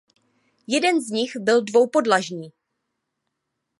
Jeden z nich byl dvoupodlažní.